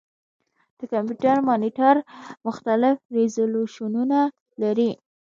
د کمپیوټر مانیټر مختلف ریزولوشنونه لري.